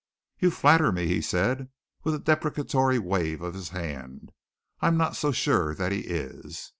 "You flatter me," he said, with a deprecatory wave of his hand. "I'm not so sure that he is."